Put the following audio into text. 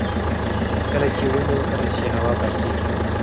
کله چې ونې وکرل شي، هوا پاکېږي.